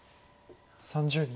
３０秒。